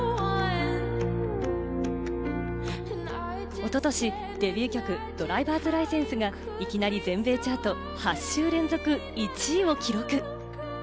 おととし、デビュー曲『ｄｒｉｖｅｒｓｌｉｃｅｎｓｅ』がいきなり全米チャート８週連続１位を記録。